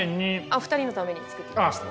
お二人のために作ってきました。